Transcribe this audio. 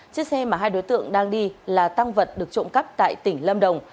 chiếc xe mà hai đối tượng đang đi là tăng vật được trộm cắp tại tỉnh lâm đồng